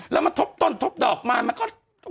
แล้วมันทบต้นทบดอกมามันก็